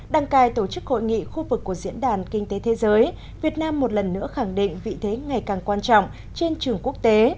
đăng cai tổ chức hội nghị khu vực của diễn đàn kinh tế thế giới việt nam một lần nữa khẳng định vị thế ngày càng quan trọng trên trường quốc tế